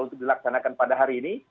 untuk dilaksanakan pada hari ini